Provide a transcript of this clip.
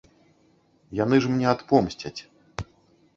Яны ж мне адпомсцяць.